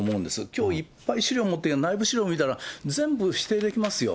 きょういっぱい資料もって、内部資料見たら全部指定できますよ。